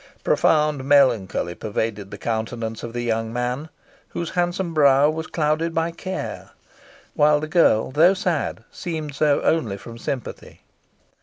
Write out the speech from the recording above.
Profound melancholy pervaded the countenance of the young man, whose handsome brow was clouded by care while the girl, though sad, seemed so only from sympathy.